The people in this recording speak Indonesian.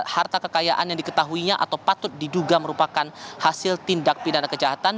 harta kekayaan yang diketahuinya atau patut diduga merupakan hasil tindak pidana kejahatan